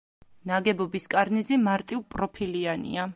ნაგებობის კარნიზი მარტივპროფილიანია.